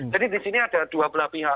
jadi disini ada dua belah pihak